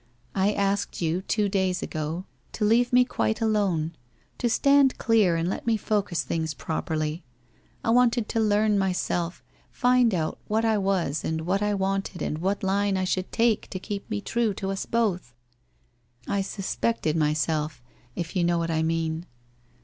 ' I asked you two days ago to leave me quite alone — to stand clear and let me focus things properly. I wanted to learn mvself, find out what I was and what I wanted and what line I should take to keep me true to us both. I suspected myself, if you know what I mean.'